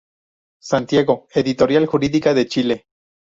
Santiago: Editorial Jurídica de Chile.